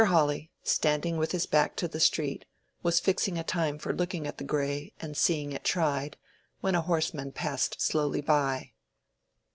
Hawley, standing with his back to the street, was fixing a time for looking at the gray and seeing it tried, when a horseman passed slowly by.